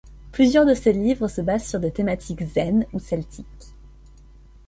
Plusieurs de ses livres se basent sur des thématiques zen ou celtiques.